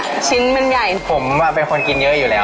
เขาจะต้องรอนานแบบเราสองคนหรือเปล่า